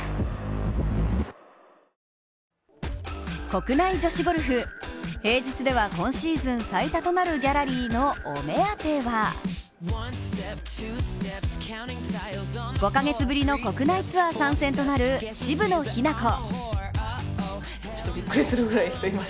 国内女子ゴルフ、平日では今シーズン最多となるギャラリーのお目当ては５か月ぶりの国内ツアー参戦となる渋野日向子。